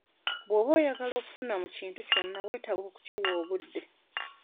Bw'oba oyagala okufuna mu kintu kyonna weetaaga okukiwa obudde.